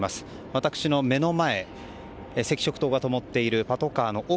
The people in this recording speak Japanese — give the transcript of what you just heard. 私の目の前赤色灯が灯っているパトカーの奥